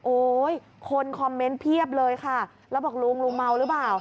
คนคอมเมนต์เพียบเลยค่ะแล้วบอกลุงลุงเมาหรือเปล่า